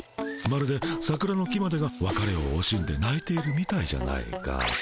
まるでさくらの木までがわかれをおしんでないているみたいじゃないか」。